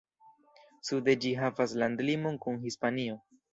Sude ĝi havas landlimon kun Hispanio.